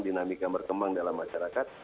dinamika berkembang dalam masyarakat